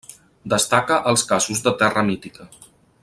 Destaca els casos de Terra Mítica.